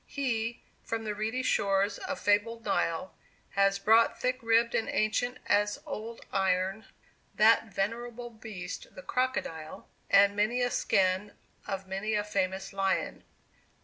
He, from the reedy shores of fabled Nile, Has brought, thick ribbed and ancient as old iron, That venerable beast the crocodile, And many a skin of many a famous lion.